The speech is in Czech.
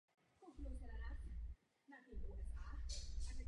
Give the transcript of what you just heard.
Je zakladatel Nové ekonomické politiky.